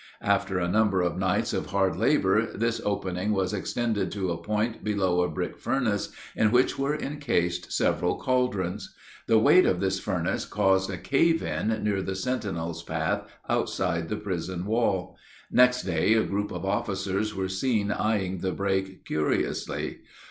After a number of nights of hard labor, this opening was extended to a point below a brick furnace in which were incased several caldrons. The weight of this furnace caused a cave in near the sentinel's path outside the prison wall. Next day, a group of officers were seen eying the break curiously.